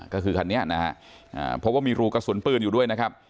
ก็คือคันนี้นะฮะเพราะว่ามีรูกระสุนปืนอยู่ด้วยนะครับ